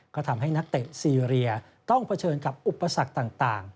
ก็ทำให้นักเตะซีเรียต้องเผชิญกับอุปสรรคต่าง